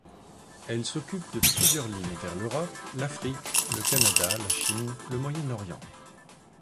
Elle s'occupe de plusieurs lignes vers l'Europe, l'Afrique, le Canada, la Chine, le Moyen-Orient.